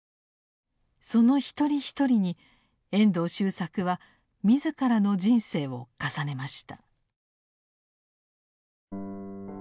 その一人一人に遠藤周作は自らの人生を重ねました。